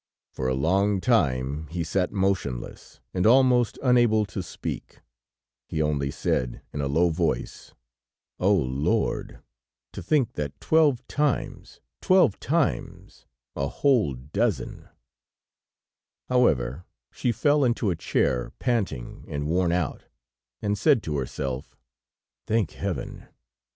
For a long time he sat motionless and almost unable to speak. He only said in a low voice: [Footnote 10: Egyptian dancing girl. TRANSLATOR.] "Oh, Lord! To think that twelve times!... twelve times!... a whole dozen!" However, she fell into a chair, panting and worn out, and said to herself: "Thank Heaven!